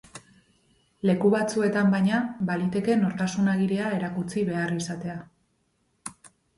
Leku batzuetan, baina, baliteke nortasun agiria erakutsi behar izatea.